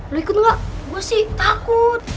lu ikut gak gua sih takut